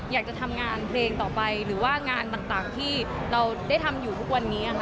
อยากจะทำงานเพลงต่อไปหรือว่างานต่างที่เราได้ทำอยู่ทุกวันนี้ค่ะ